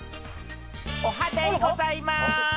おはデイございます！